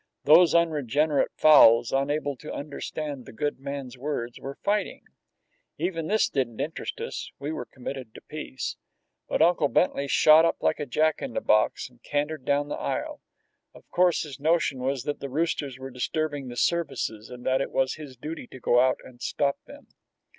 Those unregenerate fowls, unable to understand the good man's words, were fighting. Even this didn't interest us we were committed to peace. But Uncle Bentley shot up like a jack in a box and cantered down the aisle. Of course, his notion was that the roosters were disturbing the services, and that it was his duty to go out and stop them.